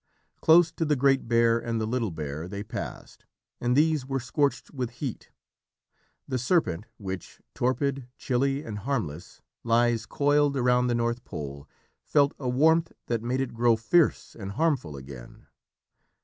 Close to the Great Bear and the Little Bear they passed, and these were scorched with heat. The Serpent which, torpid, chilly and harmless, lies coiled round the North Pole, felt a warmth that made it grow fierce and harmful again.